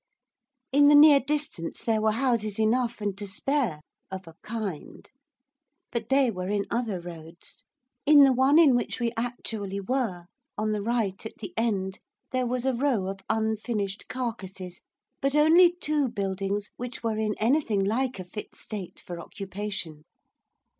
In the near distance there were houses enough, and to spare of a kind. But they were in other roads. In the one in which we actually were, on the right, at the end, there was a row of unfurnished carcases, but only two buildings which were in anything like a fit state for occupation.